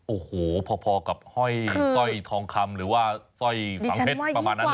โอ้โฮพอกับห้อยซ่อยทองขำหรือว่าซ่อยฝังเท็กประมาณนั้น